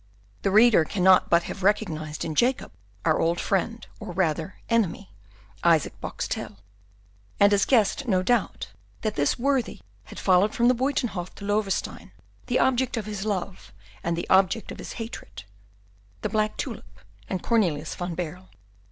The reader cannot but have recognized in Jacob our old friend, or rather enemy, Isaac Boxtel, and has guessed, no doubt, that this worthy had followed from the Buytenhof to Loewestein the object of his love and the object of his hatred, the black tulip and Cornelius van Baerle.